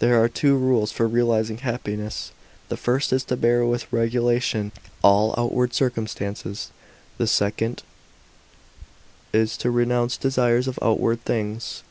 There are two rules for realizing happiness. The first is to bear with resignation all outward circumstances ; the second is to renounce desires of outward things.